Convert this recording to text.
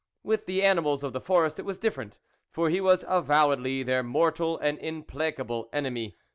With the animals of the forest it was different, for he was avowedly their mortal and im placable enemy.